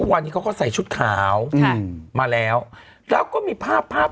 วันนี้ก็เลยอ่านแทน